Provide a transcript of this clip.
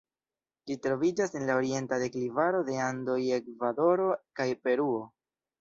Ĝi troviĝas en la orienta deklivaro de Andoj en Ekvadoro kaj Peruo.